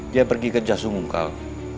dia pergi kerja sunggung kal